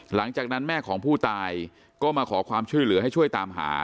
หลังจากนั้นแม่ของผู้ตายก็มาขอความช่วยเหลือให้ช่วยตามหา